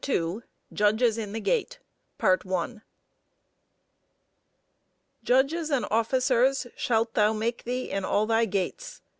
II JUDGES IN THE GATE Judges and officers shalt thou make thee in all thy gates